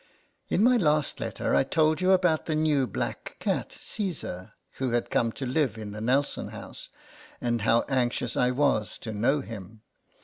In my last letter I told you about the new black cat, Caesar, who had come to live in the Nelson house, and how anxious I was to know him.